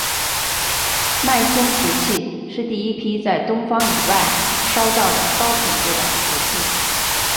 迈森瓷器是第一批在东方以外烧造的高品质的瓷器。